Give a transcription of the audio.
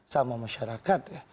sama masyarakat ya